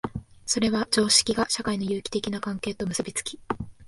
それは常識が社会の有機的な関係と結び付き、